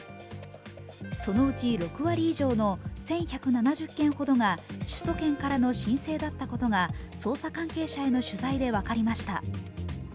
そのうち６割以上の１１７０件ほどが首都圏からの申請だったことが捜査関係者への取材で分かりました。